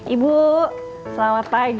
ibu selamat pagi